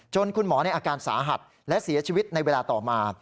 คุณหมอในอาการสาหัสและเสียชีวิตในเวลาต่อมา